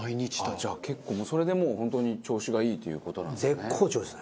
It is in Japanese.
じゃあ結構それでもう本当に調子がいいっていう事なんですね。